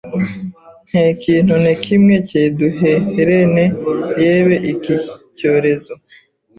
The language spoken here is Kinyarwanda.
nte kintu ne kimwe cyeduherene yebe iki cyorezo